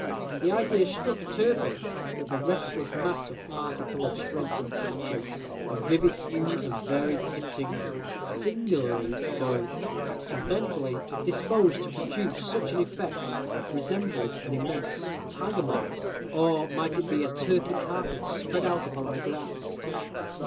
The idea struck Turpin that the restless mass of parti colored shreds and patches, of vivid hues and varied tintings, singularly, though accidentally, disposed to produce such an effect, resembled an immense tiger moth, or it might be a Turkey carpet spread out upon the grass!